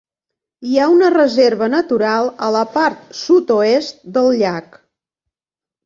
Hi ha una reserva natural a la part sud-oest del llac.